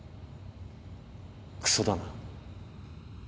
クソだな。